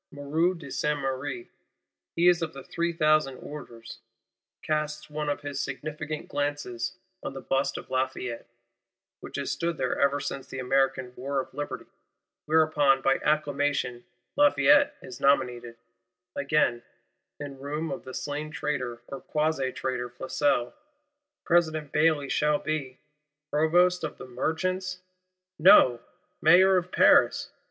Moreau de Saint Méry, he of the "three thousand orders," casts one of his significant glances on the Bust of Lafayette, which has stood there ever since the American War of Liberty. Whereupon, by acclamation, Lafayette is nominated. Again, in room of the slain traitor or quasi traitor Flesselles, President Bailly shall be—Provost of the Merchants? No: Mayor of Paris!